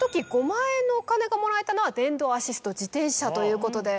５万円のお金がもらえたのは電動アシスト自転車ということで。